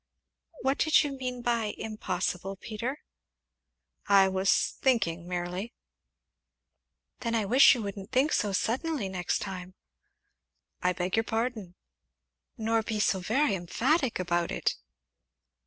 "What did you mean by 'impossible,' Peter?" "I was thinking merely." "Then I wish you wouldn't think so suddenly next time." "I beg your pardon." "Nor be so very emphatic about it."